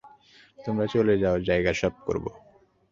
তোমরা চলে যাও, যায়গা সাফ করো!